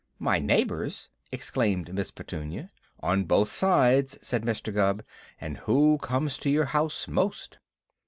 "My neighbors!" exclaimed Miss Petunia. "On both sides," said Mr. Gubb, "and who comes to your house most?"